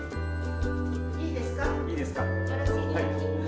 いいですか？